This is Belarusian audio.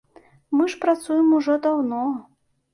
Мы ж працуем ужо даўно.